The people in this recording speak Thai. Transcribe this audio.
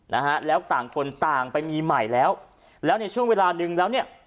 นะฮะแล้วต่างคนต่างไปมีใหม่แล้วแล้วในช่วงเวลาหนึ่งแล้วเนี่ย